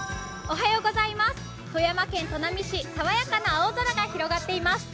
富山県砺波市、爽やかな青空が広がっています。